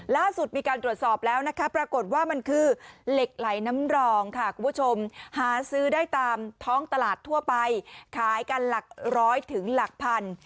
ล่าสุดมีการตรวจสอบแล้วนะคะปรากฏว่ามันคือเหล็กไหลน้ำรองค่ะคุณผู้ชมหาซื้อได้ตามท้องตลาดทั่วไปขายกันหลักร้อยถึงหลักพัน